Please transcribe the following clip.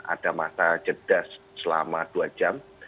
ada masa jeda selama dua jam